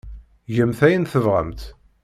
Gemt ayen tebɣamt.